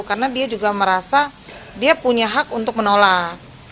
karena dia juga merasa dia punya hak untuk menolak